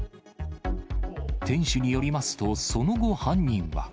店主によりますと、その後、犯人は。